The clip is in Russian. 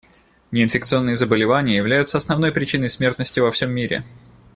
Неинфекционные заболевания являются основной причиной смертности во всем мире.